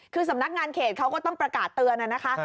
คือสำนักงานเขตเขาก็ต้องประกาศเตือนนะคะ